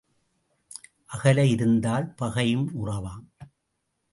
அகல இருந்தால் பகையும் உறவாம்.